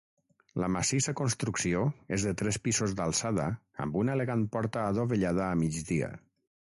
La massissa construcció és de tres pisos d'alçada amb una elegant porta adovellada a migdia.